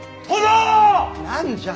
何じゃ。